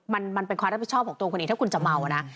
มันเป็นความรับผิดชอบของตัวคุณเองถ้าคุณจะเมานะ